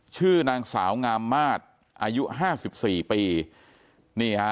ชื่อนางสาวงามมาตรอายุ๕๔ปี